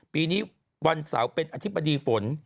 ปีนี้วันเสาร์เป็นอธิบดีฝน